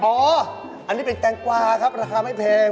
อ๋ออันนี้เป็นแตงกวาครับราคาไม่แพง